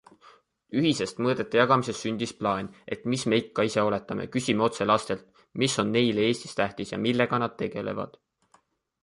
Ühisest mõtete jagamisest sündis plaan, et mis me ikka ise oletame, küsime otse lastelt, mis on neile Eestis tähtis ja millega nad tegelevad.